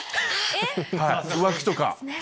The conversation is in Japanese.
浮気とか。